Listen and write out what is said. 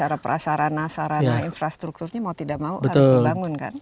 ya harus dibuka ya secara prasarana sarana infrastrukturnya mau tidak mau harus dibangun kan